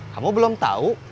kamu belum tau